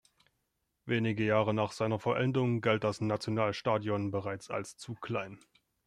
Wenige Jahre nach seiner Vollendung galt das Nationalstadion bereits als zu klein.